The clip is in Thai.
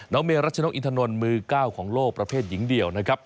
เมรัชนกอินทนนท์มือ๙ของโลกประเภทหญิงเดี่ยวนะครับ